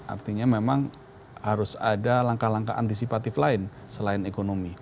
artinya memang harus ada langkah langkah antisipatif lain selain ekonomi